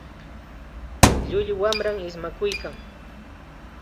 Llullu wamram ismakuykan.